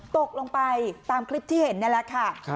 ตกลงไปตามคลิปที่เห็นนั่นแหละค่ะ